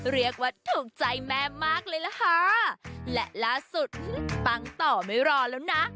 เรียกว่าถูกใจแม่มากเลยล่ะค่ะและล่าสุดปังต่อไม่รอแล้วนะ